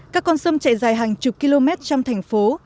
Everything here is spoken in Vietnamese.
các con sông chạy dài hàng chục km trong thành phố